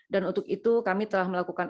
dan untuk itu kami telah melakukan